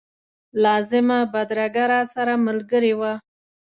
لازمه بدرګه راسره ملګرې وه.